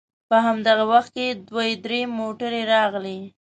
په همدې وخت کې دوې درې موټرې راغلې.